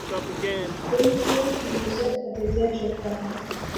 Film کے producer Aditya Chopra ہیں۔